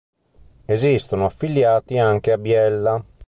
Esistono affiliati anche a Biella.